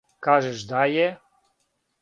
Кажеш да је?